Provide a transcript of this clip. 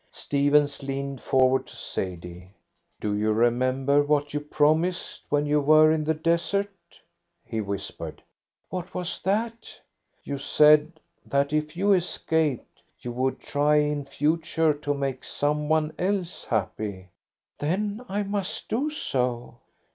Stephens leaned forward to Sadie. "Do you remember what you promised when you were in the desert?" he whispered. "What was that?" "You said that if you escaped you would try in future to make some one else happy." "Then I must do so."